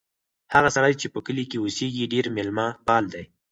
هغه سړی چې په کلي کې اوسیږي ډېر مېلمه پال دی.